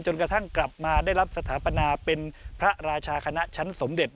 กระทั่งกลับมาได้รับสถาปนาเป็นพระราชาคณะชั้นสมเด็จ